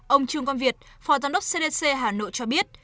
ông trương quang việt phó giám đốc cdc hà nội cho biết